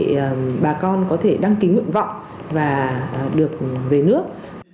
để bà con có thể đăng ký nguyện vọng và được về nước